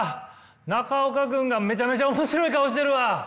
中岡君がめちゃめちゃ面白い顔してるわ。